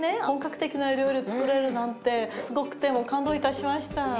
本格的な料理をつくれるなんてすごくて感動いたしました。